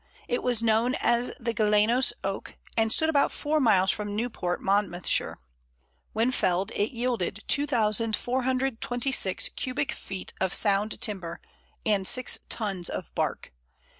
It was known as the Gelenos Oak, and stood about four miles from Newport, Monmouthshire. When felled, it yielded 2426 cubic feet of sound timber, and six tons of bark.